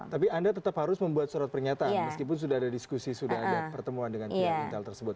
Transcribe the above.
tapi anda tetap harus membuat surat pernyataan meskipun sudah ada diskusi sudah ada pertemuan dengan pihak mental tersebut